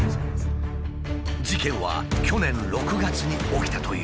事件は去年６月に起きたという。